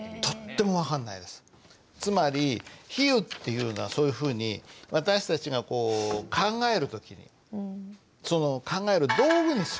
つまり比喩っていうのはそういうふうに私たちがこう考える時にその考える道具にする。